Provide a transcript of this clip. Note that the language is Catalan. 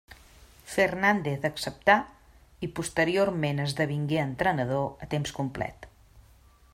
Fernández acceptà i posteriorment esdevingué entrenador a temps complet.